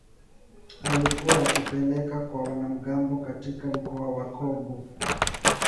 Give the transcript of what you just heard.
alikuwa akizipeleka kwa wanamgambo wa katika mkoa wa Kobu